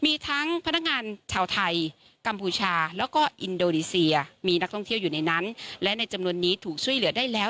อินโดรีเซียมีนักท่องเที่ยวอยู่ในนั้นและในจำนวนนี้ถูกช่วยเหลือได้แล้ว